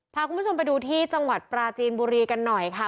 พาคุณผู้ชมไปดูที่จังหวัดปราจีนบุรีกันหน่อยค่ะ